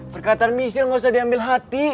perkataan misil gak usah diambil hati